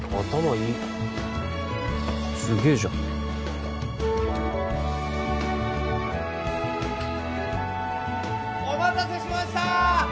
いいすげえじゃんお待たせしましたー！